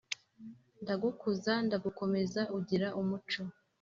ndagukuza ndagukomeza ugira umuco